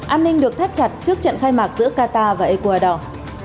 an ninh được thắt chặt trước trận khai mạc giữa qatar và ecuador